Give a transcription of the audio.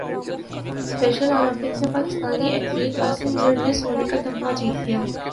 special olympics میں Pakistani athlete Asim Zar نے سونے کا تمغہ جیت لیا